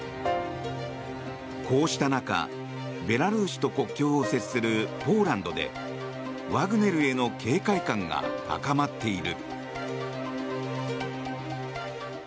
こうした中ベラルーシと国境を接するポーランドでワグネルへの警戒感が高まっている。